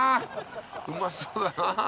うまそうだな。